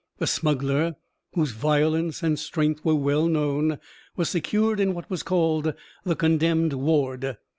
The smuggler, whose violence and strength were well known, was secured in what was called the condemned ward.